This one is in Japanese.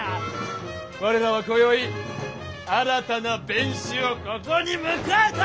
我らはこよい新たな弁士をここに迎えた！